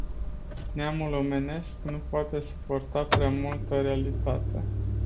Neamul omenesc nu poate suporta prea multă realitate.